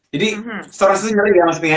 jadi soreness itu nyeri ya maksudnya